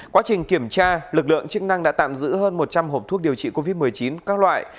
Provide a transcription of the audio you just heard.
quá trình kiểm tra lực lượng chức năng đã tạm giữ hơn một trăm linh hộp thuốc điều trị covid một mươi chín các loại